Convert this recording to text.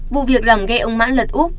vụ việc làm ghe ông mãn lật úp